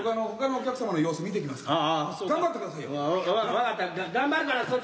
僕ほかのお客様の様子見てきますから。